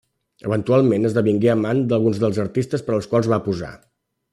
Eventualment esdevingué amant d'alguns dels artistes per als quals va posar.